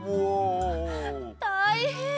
たいへん！